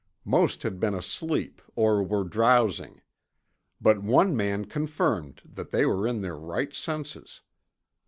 Most had been asleep or were drowsing. But one man confirmed that they were in their right senses.